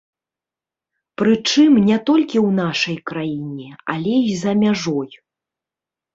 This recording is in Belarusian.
Прычым не толькі ў нашай краіне, але і за мяжой.